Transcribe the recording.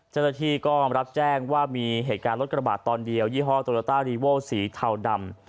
เจ้าหน้าที่ก็รับแจ้งว่ามีเหตุการณ์รถกระบาดตอนเดียวยี่ห้อโตโลต้ารีโวสีเทาดำ